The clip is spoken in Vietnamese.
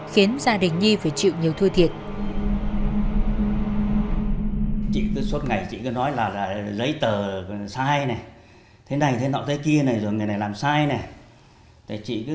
khiến gia đình nhi phải chịu nhiều thua thiệt